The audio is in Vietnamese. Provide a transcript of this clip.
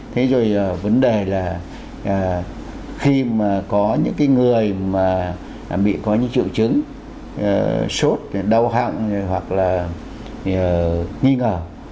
thế rồi vấn đề là khi mà có những người mà bị có những triệu chứng sốt đau họng hoặc là nghi ngờ